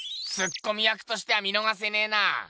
ツッコミ役としては見のがせねぇな。